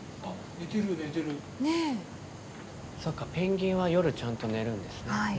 ペンギンはちゃんと夜、寝るんですね。